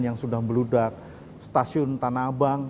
yang sudah meludak stasiun tanah abang